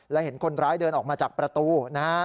และเห็นคนร้ายเดินออกมาจากประตูนะฮะ